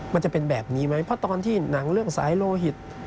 มันจะเป็นแบบนี้ไหมเพราะตอนที่หนังเรื่องสายโลหิต